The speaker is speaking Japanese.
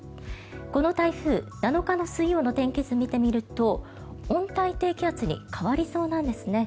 この台風７日の水曜の天気図を見てみると温帯低気圧に変わりそうなんですね。